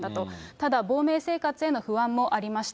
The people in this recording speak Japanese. ただ、亡命生活への不安もありました。